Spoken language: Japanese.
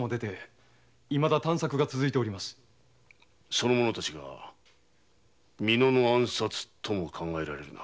その者たちが美濃守の暗殺とも考えられるな。